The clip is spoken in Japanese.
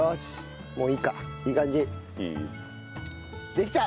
できた！